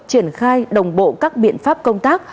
triển khai đồng bộ các biện pháp công tác